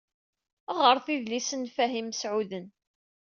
Ɣṛet idlisen n Fahim Mesɛuden.